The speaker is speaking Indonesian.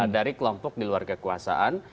dari kelompok di luar kekuasaan